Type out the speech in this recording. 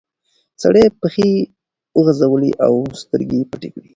سړي پښې وغځولې او سترګې پټې کړې.